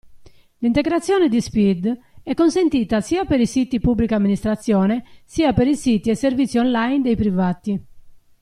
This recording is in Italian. L'integrazione di SPID è consentita sia per i siti Pubblica Amministrazione, sia per i siti e servizi online dei privati.